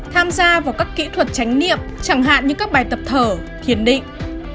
một mươi năm tham gia vào các kỹ thuật tránh niệm chẳng hạn như các bài tập thở thiền định